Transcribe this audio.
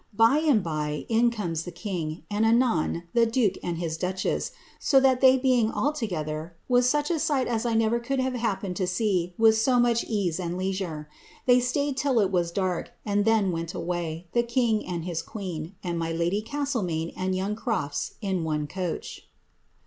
By and by in conies the king, and anon tlie duke and his duchess, so that they being all together, was such a sight as 1 never could have happened to see with so much ease and leisure. They stayed till it was dark, and then went away, the king and his queen, and my lady Gaatlemame and vdung CroAs, in one coach.''